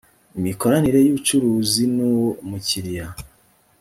imikoranire y’ubucuruzi n’uwo mukiriya